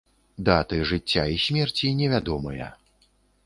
Даты жыцця і смерці не вядомыя.